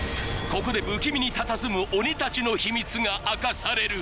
ここで不気味にたたずむ鬼たちの秘密が明かされる！